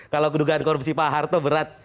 kalau kedugaan korupsi pak harto berat